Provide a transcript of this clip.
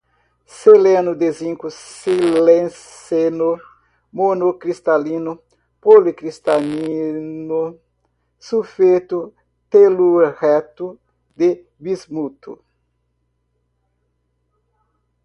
seleneto de zinco, siliceno, monocristalino, policristalino, sulfeto, telureto de bismuto